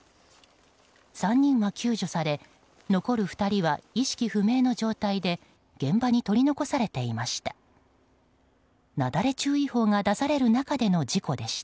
３人が救助され残る２人は意識不明の状態で現場に取り残されていました。